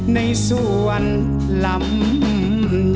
ในส่วนลำใหญ่